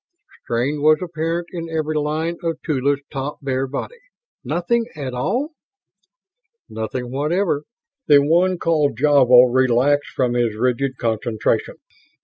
Strain was apparent in every line of Tula's taut, bare body. "Nothing at all?" "Nothing whatever." The one called Javo relaxed from his rigid concentration.